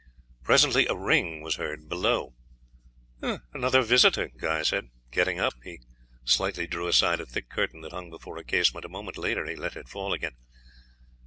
Presently a ring was heard below. "Another visitor," Guy said. Getting up, he slightly drew aside a thick curtain that hung before a casement, a moment later he let it fall again.